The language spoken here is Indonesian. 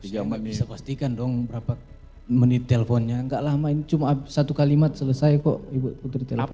saya bisa pastikan dong berapa menit telponnya enggak lama cuma satu kalimat selesai kok ibu putri telpon